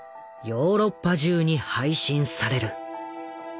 ヨーロッパ中に配信される。